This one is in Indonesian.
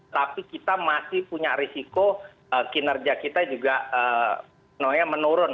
tapi kita masih punya risiko kinerja kita juga menurun